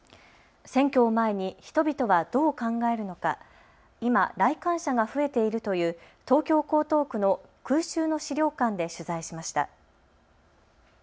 選挙を前に人々はどう考えるのか今、来館者が増えているという東京江東区の空襲の資料館で取材しました。